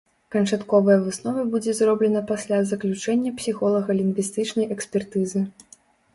Канчатковая выснова будзе зроблена пасля заключэння псіхолага-лінгвістычнай экспертызы.